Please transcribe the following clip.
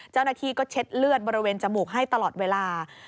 เจ้าหน้าที่ก็เช็ดเลือดบริเวณจมูกให้ตลอดเวลา